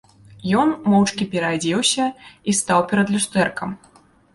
Ён моўчкі пераадзеўся і стаў перад люстэркам.